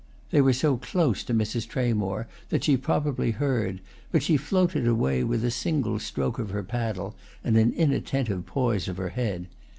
They were so close to Mrs. Tramore that she probably heard, but she floated away with a single stroke of her paddle and an inattentive poise of her head.